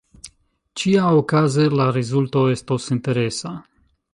Ĉiaokaze la rezulto estos interesa.